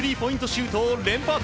シュートを連発。